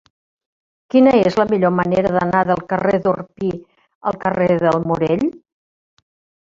Quina és la millor manera d'anar del carrer d'Orpí al carrer del Morell?